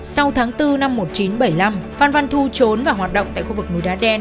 sau tháng bốn năm một nghìn chín trăm bảy mươi năm phan văn thu trốn và hoạt động tại khu vực núi đá đen